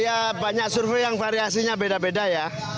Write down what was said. ya banyak survei yang variasinya beda beda ya